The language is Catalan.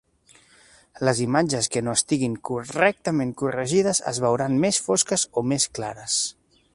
Les imatges que no estiguin correctament corregides es veuran més fosques o més clares.